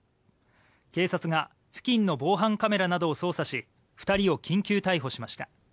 警察が付近の防犯カメラなどを捜査し２人を緊急逮捕しました。